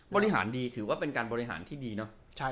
บริหารดีถือว่าเป็นการบริหารที่ดีเนอะ